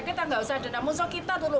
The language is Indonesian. kita tidak usah dendam musuh kita dulu